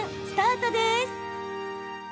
スタートです。